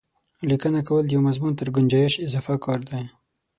لیکنه کول د یوه مضمون تر ګنجایش اضافه کار دی.